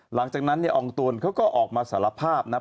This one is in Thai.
หลังจากนั้นเนี่ยอองตวนเขาก็ออกมาสารภาพนะครับ